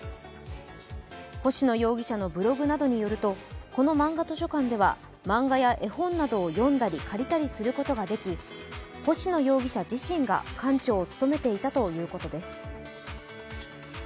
星野容疑者のブログなどによるこのまんが図書館では漫画や絵本などを読んだり借りたりすることができ星野容疑者自身が館長を務めていたということです。